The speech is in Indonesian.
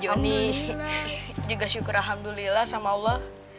joni juga syukur alhamdulillah sama allah